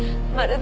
で